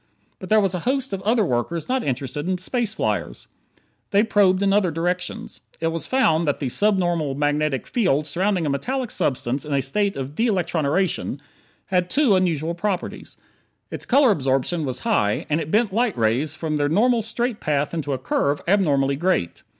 But there was a host of other workers not interested in space flyers; they probed in other directions. It was found that the subnormal magnetic field surrounding a metallic substance in a state of de electroniration had two unusual properties: its color absorption was high; and it bent light rays from their normal straight path into a curve abnormally great.